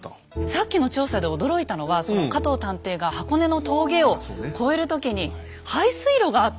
さっきの調査で驚いたのは加藤探偵が箱根の峠を越える時に排水路があった。